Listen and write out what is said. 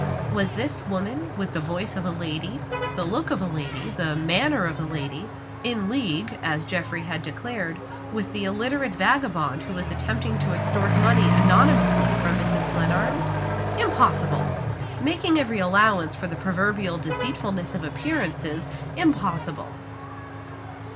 Was this woman with the voice of a lady, the look of a lady, the manner of a lady in league (as Geoffrey had declared) with the illiterate vagabond who was attempting to extort money anonymously from Mrs. Glenarm? Impossible! Making every allowance for the proverbial deceitfulness of appearances, impossible!